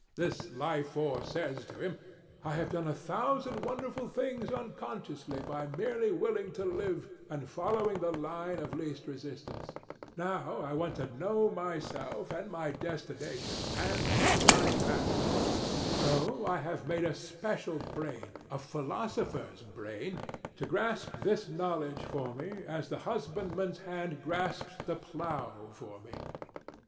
This Life Force says to him "I have done a thousand wonderful things unconsciously by merely willing to live and following the line of least resistance: now I want to know myself and my destination, and choose my path; so I have made a special brain a philosopher's brain to grasp this knowledge for me as the husbandman's hand grasps the plough for me.